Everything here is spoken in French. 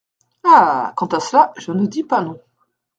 Ah ! quant à cela, je ne dis pas non.